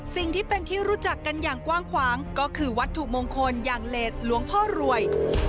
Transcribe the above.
สิ่งที่เป็นที่รู้จักกันอย่างกว้างขวางก็คือวัตถุมงคลอย่างเลสหลวงพ่อรวย